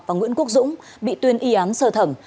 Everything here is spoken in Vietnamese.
và nguyễn quốc dũng bị tuyên y án sơ thẩm